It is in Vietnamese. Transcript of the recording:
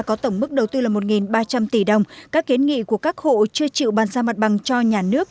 có tổng mức đầu tư là một ba trăm linh tỷ đồng các kiến nghị của các hộ chưa chịu bàn giao mặt bằng cho nhà nước